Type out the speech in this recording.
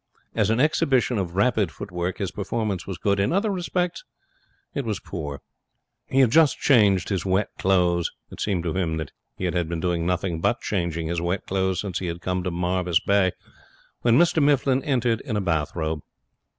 As an exhibition of rapid footwork his performance was good. In other respects it was poor. He had just changed his wet clothes it seemed to him that he had been doing nothing but change his wet clothes since he had come to Marvis Bay when Mr Mifflin entered in a bathrobe.